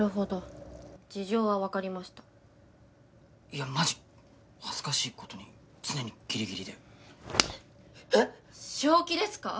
いやマジ恥ずかしいことに常にギリギリでえっ⁉正気ですか？